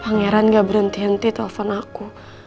pangeran gak berhenti henti telpon aku